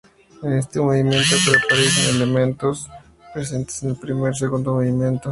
En este movimiento reaparecen elementos presentes en el primer y segundo movimiento.